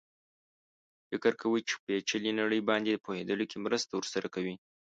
فکر کوي چې پېچلې نړۍ باندې پوهېدلو کې مرسته ورسره کوي.